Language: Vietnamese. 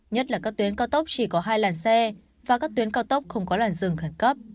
nhất là các tuyến cao tốc chỉ có hai làn xe và các tuyến cao tốc không có làn dừng khẩn cấp